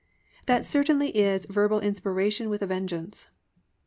That certainly is verbal inspiration with a vengeance.